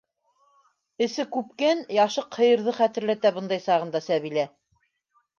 Эсе күпкән яшыҡ һыйырҙы хәтерләтә бындай сағында Сәбилә.